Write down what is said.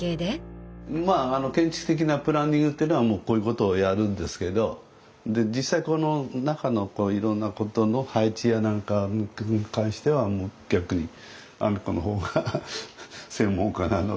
まあ建築的なプランニングっていうのはこういうことをやるんですけど実際この中のいろんなことの配置やなんかに関しては逆に阿美子の方が専門家なので。